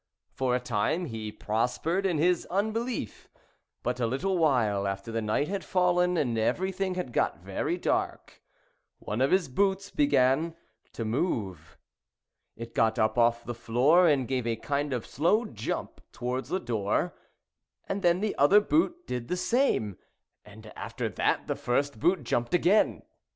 For a time he prospered in his unbelief ; but a little while after the night had fallen, and everything had got very dark, one of his boots began to move. It got up off the floor and gave a kind of slow jump towards the door, and then the other boot did the same, and after that the first boot jumped again.